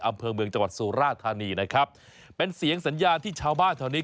อำเภอเมืองจังหวัดสุราธานีนะครับเป็นเสียงสัญญาณที่ชาวบ้านแถวนี้